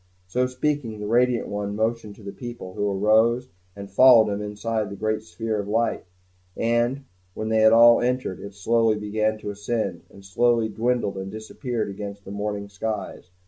So speaking, the radiant one motioned to the people, who arose, and followed him inside the great sphere of light; and when they had all entered, it slowly began to ascend, and slowly dwindled and disappeared against the morning skies.